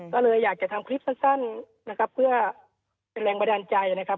ก็เลยอยากจะทำคลิปสั้นนะครับเพื่อเป็นแรงบันดาลใจนะครับ